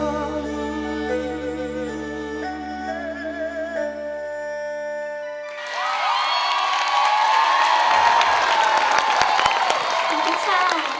ขอบคุณค่ะ